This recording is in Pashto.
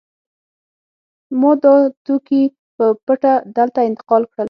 ما دا توکي په پټه دلته انتقال کړل